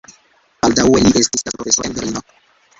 Baldaŭe li estis gastoprofesoro en Berlino.